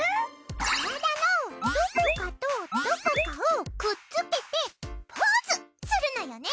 体のどこかとどこかをくっつけてポーズするのよね？